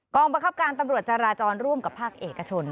บังคับการตำรวจจราจรร่วมกับภาคเอกชน